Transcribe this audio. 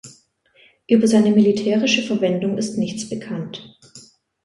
Über seine militärische Verwendung ist nichts bekannt.